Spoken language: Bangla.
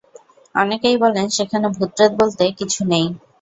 অনেকেই বলেন সেখানে ভুতপ্রেত বলতে কিছু নেই।